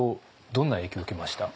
どんな影響を受けました？